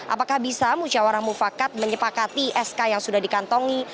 apakah bisa musyawarah mufakat menyepakati sk yang sudah dikantongi